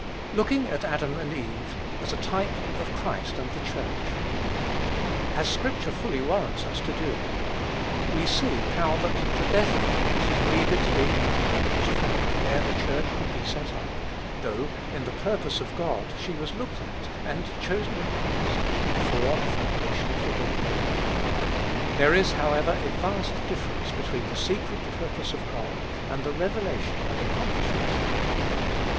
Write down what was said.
Looking at Adam and Eve as a type of Christ and the Church, as scripture fully warrants us to do, we see how that the death of Christ needed to be an accomplished fact, ere the Church could be set up; though, in the purpose of God, she was looked at, and chosen in Christ, before the foundation of the world. There is, however, a vast difference between the secret purpose of God and the revelation and accomplishment thereof.